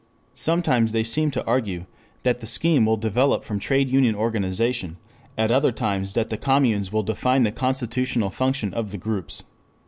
Sometimes they seem to argue that the scheme will develop from trade union organization, at other times that the communes will define the constitutional function of the groups.